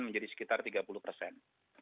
menjadi sekitar tiga puluh persen